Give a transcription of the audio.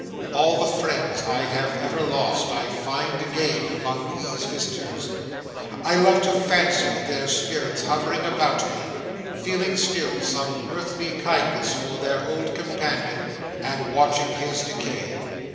All the friends I have ever lost I find again among these visitors. I love to fancy their spirits hovering about me, feeling still some earthly kindness for their old companion, and watching his decay.